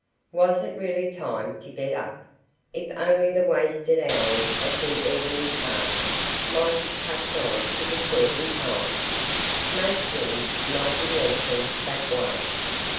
Was it really time to get up? If only the wasted hours of the evening past might be tucked on to the shortened time! Most things might be lengthened that way.